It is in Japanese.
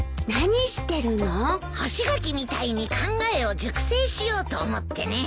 干し柿みたいに考えを熟成しようと思ってね。